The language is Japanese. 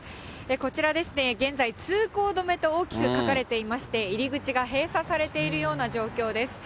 こちら、現在、通行止めと大きく書かれていまして、入り口が閉鎖されているような状況です。